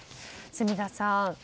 住田さん